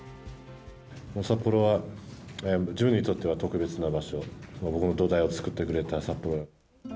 札幌は自分にとっては特別な場所、僕の土台を作ってくれた札幌。